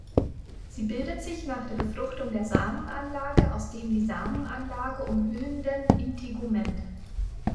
Sie bildet sich nach der Befruchtung der Samenanlage aus dem die Samenanlage umhüllenden Integument.